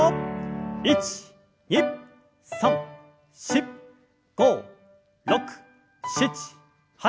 １２３４５６７８。